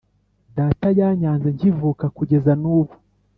Data yanyanze nkivuka kugeza nubu